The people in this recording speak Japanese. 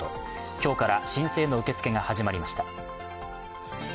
今日から申請の受け付けが始まりました。